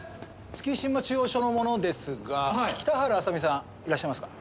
月島中央署の者ですが北原麻美さんいらっしゃいますか？